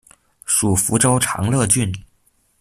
属福州长乐郡。